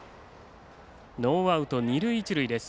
ノーアウト、二塁一塁です。